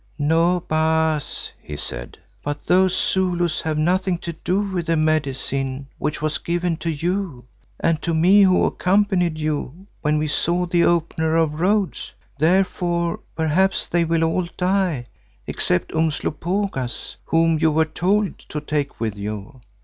"No, Baas," he said, "but those Zulus have nothing to do with the Medicine which was given to you, and to me who accompanied you when we saw the Opener of Roads. Therefore perhaps they will all die, except Umslopogaas, whom you were told to take with you.